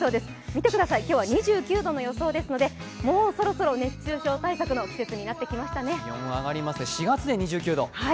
見てください、今日は２９度の予想ですのでもうそろそろ熱中症対策の季節になってきましたね。